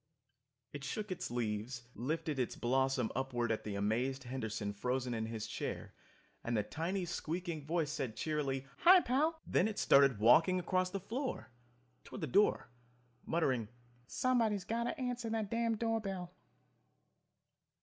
It shook its leaves, lifted its blossom upward at the amazed Henderson frozen in his chair, and the tiny squeaking voice said cheerily, "Hi, Pal!" Then it started walking across the floor, toward the door, muttering, "Somebody's got to answer that damned door bell."